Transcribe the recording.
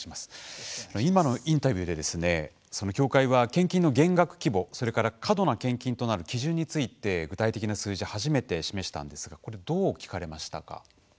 今のインタビューで教会は、献金の減額規模それから、過度な献金となる基準について具体的な数字初めて示したんですがどう聞かれましたか。